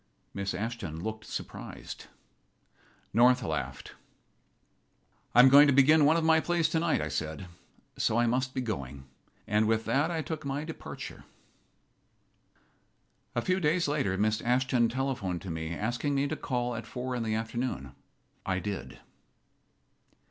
Miss Ashton looked surprised. North laughed. "I am going to begin one of my plays tonight," I said, "so I must be going." And with that I took my departure. A few days later Miss Ashton telephoned to me, asking me to call at four in the afternoon. I did.